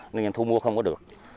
nên thu mua không có được